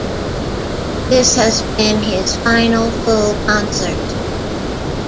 This has been his final full concert.